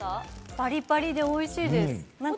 パリパリで美味しいです。